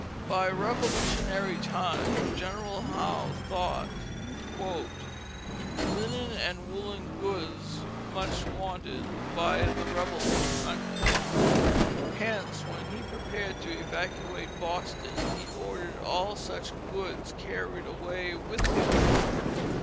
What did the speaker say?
By Revolutionary times General Howe thought "Linen and Woollen Goods much wanted by the Rebels"; hence when he prepared to evacuate Boston he ordered all such goods carried away with him.